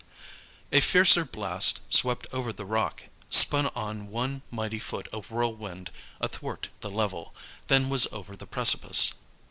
A fiercer blast swept over the rock, spun on one mighty foot of whirlwind athwart the level, then was over the precipice.